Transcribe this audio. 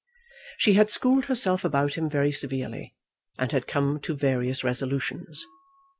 She had schooled herself about him very severely, and had come to various resolutions.